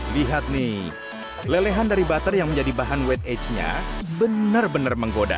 lihat nih lelehan dari butter yang menjadi bahan wet age nya benar benar menggoda